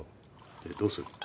でどうする？